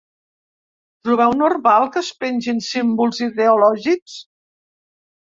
Trobeu normal que es pengin símbols ideològics?